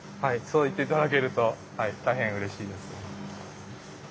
そう言って頂けると大変うれしいです。